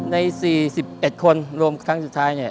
ใน๔๑คนรวมครั้งสุดท้ายเนี่ย